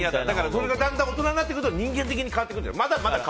それがだんだん大人になってくると人間的に変わってくるんじゃない。